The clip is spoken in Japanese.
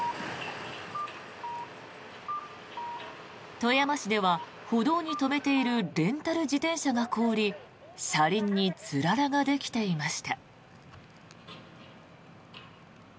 富山市では歩道に止めているレンタル自転車が凍り車輪につららができていました。